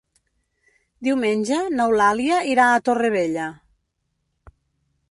Diumenge n'Eulàlia irà a Torrevella.